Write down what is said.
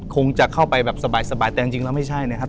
คงจะเข้าไปแบบสบายแต่จริงแล้วไม่ใช่นะครับ